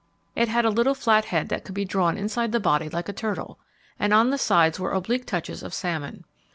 It had a little flat head that could be drawn inside the body like a turtle, and on the sides were oblique touches of salmon.